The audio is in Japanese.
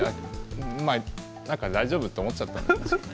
なんか大丈夫と思っちゃったんでしょうね。